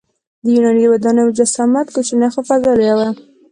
د یوناني ودانیو جسامت کوچنی خو فضا لویه وه.